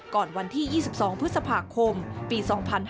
วันที่๒๒พฤษภาคมปี๒๕๕๙